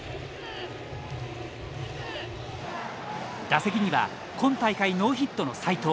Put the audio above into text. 打席には今大会ノーヒットの斎藤。